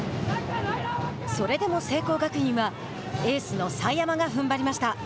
それでも聖光学院はエースの佐山がふんばりました。